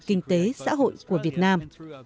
kinh tế xã hội của việt nam